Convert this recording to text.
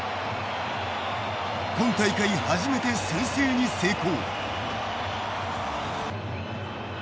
今大会初めて先制に成功。